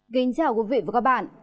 kính chào quý vị và các bạn